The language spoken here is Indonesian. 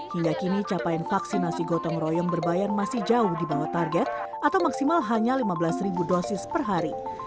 hingga kini capaian vaksinasi gotong royong berbayar masih jauh di bawah target atau maksimal hanya lima belas dosis per hari